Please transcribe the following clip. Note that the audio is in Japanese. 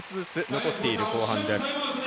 残っている後半です。